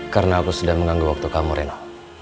karena aku sudah mengganggu waktu kamu reno